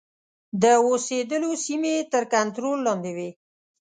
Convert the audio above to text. د اوسېدلو سیمې یې تر کنټرول لاندي وې.